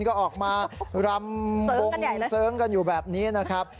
ก็ออกมารำวงแบบนี้นะครับ